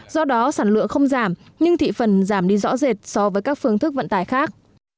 do đó sản lượng không giảm nhưng thị phần giảm đi rõ rệt so với các phương thức vận tải khác